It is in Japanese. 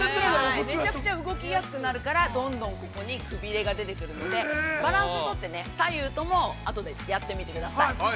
◆めちゃくちゃ動きやすくなるから、どんどんここにくびれが出てくるので、バランス取って、左右ともあとでやってみてください。